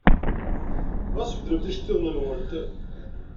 Ɣas beddlemt iceḍḍiḍen-nwent.